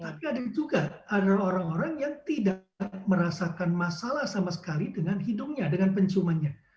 tapi ada juga adalah orang orang yang tidak merasakan masalah sama sekali dengan hidungnya dengan penciumannya